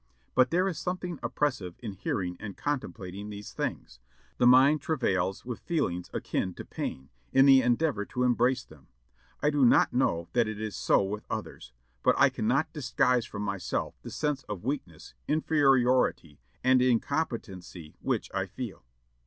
But there is something oppressive in hearing and contemplating these things. The mind travails with feelings akin to pain, in the endeavor to embrace them. I do not know that it is so with others; but I cannot disguise from myself the sense of weakness, inferiority, and incompetency which I feel."